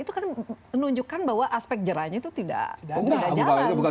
itu kan menunjukkan bahwa aspek jerahnya itu tidak jalan